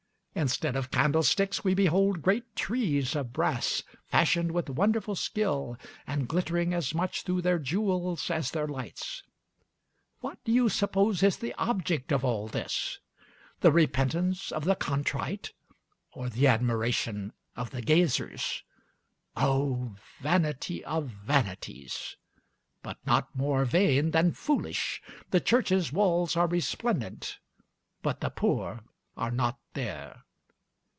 Instead of candlesticks, we behold great trees of brass fashioned with wonderful skill, and glittering as much through their jewels as their lights. What do you suppose is the object of all this? The repentance of the contrite, or the admiration of the gazers? O vanity of vanities! but not more vain than foolish. The church's walls are resplendent, but the poor are not there....